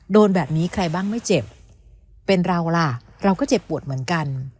โดนแบบนี้ใครบ้างไม่เจ็บเป็นเราล่ะเราก็เจ็บปวดเหมือนกัน